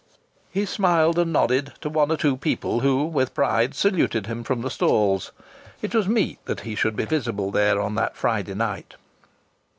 He smiled and nodded to one or two people who with pride saluted him from the stalls.... It was meet that he should be visible there on that Friday night!